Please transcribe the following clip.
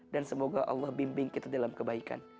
dan semoga allah bimbing kita dalam kebaikan